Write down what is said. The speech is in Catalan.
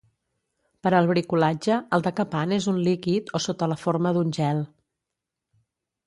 Per al bricolatge el decapant és un líquid o sota la forma d'un gel.